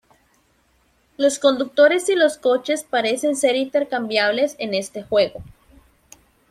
Los conductores y los coches parecen ser intercambiables en este juego.